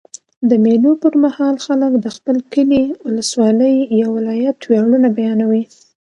د مېلو پر مهال خلک د خپل کلي، اولسوالۍ یا ولایت ویاړونه بیانوي.